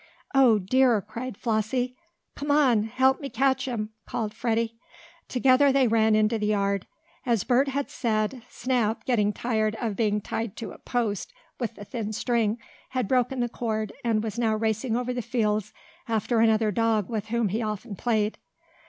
"Oh dear!" cried Flossie. "Come on, help me catch him!" called Freddie. Together they ran into the yard. As Bert had said, Snap, getting tired of being tied to a post with a thin string, had broken the cord, and now was racing over the fields after another dog with whom he often played.